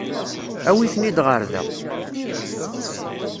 Awi-ten-id ɣer da.